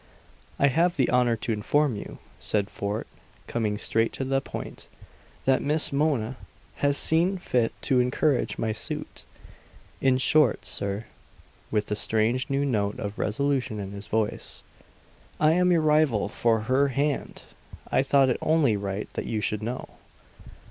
"I have the honor to inform you," said Fort, coming straight to the point, "that Miss Mona has seen fit to encourage my suit. In short, sir," with the strange new note of resolution in his voice, "I am your rival for her hand! I thought it only right that you should know."